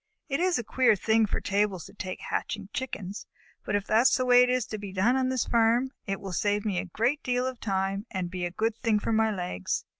"It is a queer thing for tables to take to hatching Chickens, but if that is the way it is to be done on this farm, it will save me a great deal of time and be a good thing for my legs.